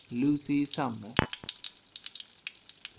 LUCY SUMNER.